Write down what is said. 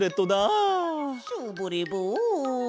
ショボレボン！